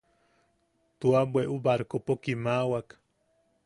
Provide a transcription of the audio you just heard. Tua bweʼu barkopo kimawak.